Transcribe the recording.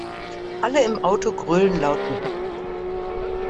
Alle im Auto grölen laut mit.